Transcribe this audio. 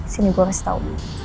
sini gue harus tau